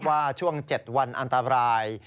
ว่าช่วง๗วันอันตราย